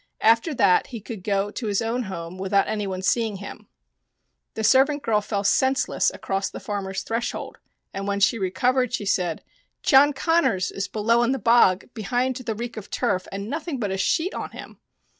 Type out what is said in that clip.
After that he could go to his own house without any one seeing him. The servant girl fell senseless across the farmer's threshold, and when she recovered she said :" John Connors is below in the bog behind the reek of turf, and nothing but a sheet on him."